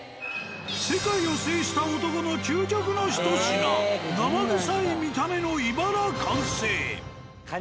世界を制した男の究極のひと品生臭い見た目のイバラ完成。